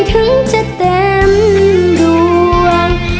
ถึงจะเต็มดวง